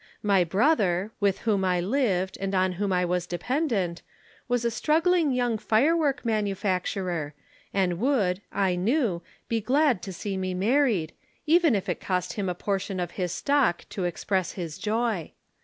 My brother, with whom I lived and on whom I was dependent, was a struggling young firework manufacturer, and would, I knew, be glad to see me married, even if it cost him a portion of his stock to express his joy.